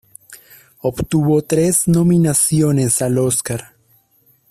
Obtuvo tres nominaciones al Óscar.